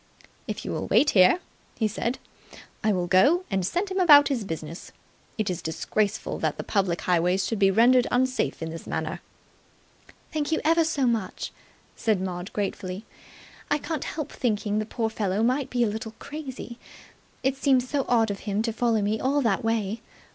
"If you will wait here," he said, "I will go and send him about his business. It is disgraceful that the public highways should be rendered unsafe in this manner." "Thank you ever so much," said Maud gratefully. "I can't help thinking the poor fellow may be a little crazy. It seems so odd of him to follow me all that way.